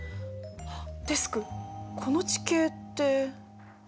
デスクこの地形って。